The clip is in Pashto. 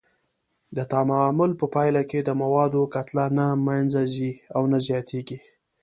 د تعامل په پایله کې د موادو کتله نه منځه ځي او نه زیاتیږي.